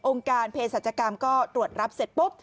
องค์การเพจศัตริกรรมโดยรับเสร็จ